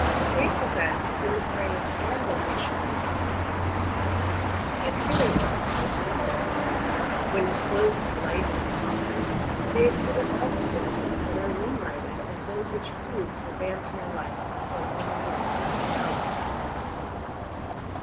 They present, in the grave, and when they show themselves in human society, the appearance of healthy life. When disclosed to light in their coffins, they exhibit all the symptoms that are enumerated as those which proved the vampire life of the long dead Countess Karnstein.